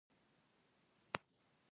انسان بايد هوښيار ووسي